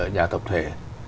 nhà tập thể